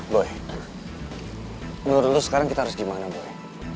boy menurut lu sekarang kita harus gimana boy